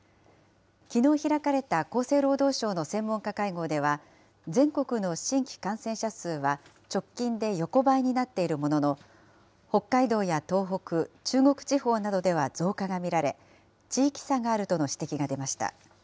きのう開かれた厚生労働省の専門家会合では、全国の新規感染者数は直近で横ばいになっているものの、北海道や東北、中国地方などでは増加が見られ、地域差があるとの指摘が出ました。